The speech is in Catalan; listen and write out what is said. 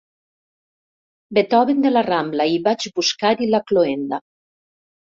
Beethoven de la Rambla i vaig buscar-hi la cloenda.